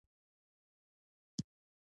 بې پروا چلند ته لار هواره کړي.